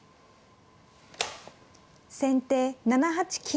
先手７八金。